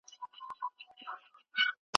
یوه ورخ مي زړه په شکر ګویا نه سو